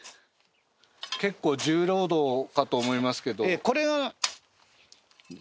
結構重労働かと思いますけど。